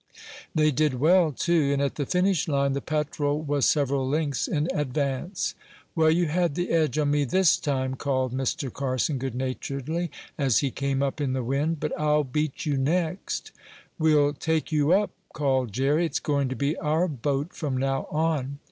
They did well, too, and at the finish line the Petrel was several lengths in advance. "Well, you had the edge on me this time!" called Mr. Carson good naturedly, as he came up in the wind. "But I'll beat you next." "We'll take you up!" called Jerry. "It's going to be our boat from now on."